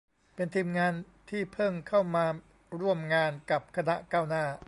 เป็นทีมงานที่เพิ่งเข้ามาร่วมงานกับคณะก้าวหน้า